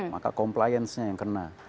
maka compliance nya yang kena